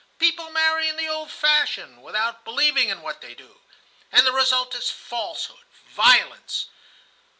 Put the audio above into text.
People marry in the old fashion, without believing in what they do, and the result is falsehood, violence.